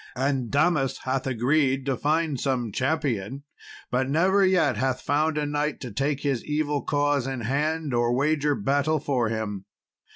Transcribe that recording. And Damas hath agreed to find some champion, but never yet hath found a knight to take his evil cause in hand, or wager battle for him.